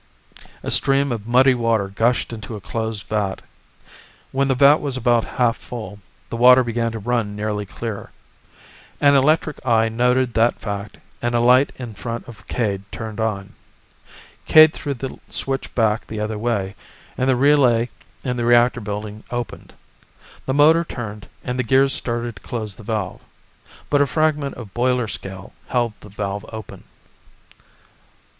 A stream of muddy water gushed into a closed vat. When the vat was about half full, the water began to run nearly clear. An electric eye noted that fact and a light in front of Cade turned on. Cade threw the switch back the other way, and the relay in the reactor building opened. The motor turned and the gears started to close the valve. But a fragment of boiler scale held the valve open.